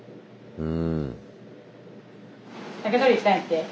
うん。